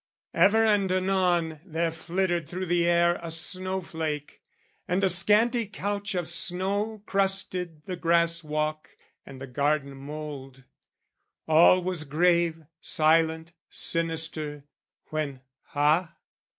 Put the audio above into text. Ever and anon there flittered through the air A snow flake, and a scanty couch of snow Crusted the grass walk and the garden mould. All was grave, silent, sinister, when, ha?